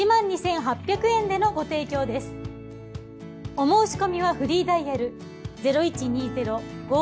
お申し込みはフリーダイヤル。